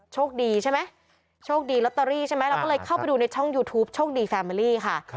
โชคดีใช่ไหมโชคดีลอตเตอรี่ใช่ไหมเราก็เลยเข้าไปดูในช่องยูทูปโชคดีแฟเมอรี่ค่ะ